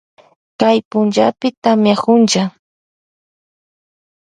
Kay punllapi tamiakunlla.